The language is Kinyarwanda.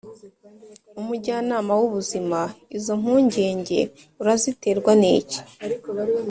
Umujyanama w ubuzima Izo mpungenge uraziterwa n iki